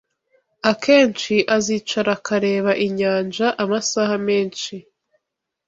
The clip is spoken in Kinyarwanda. Akenshi azicara akareba inyanja amasaha menshi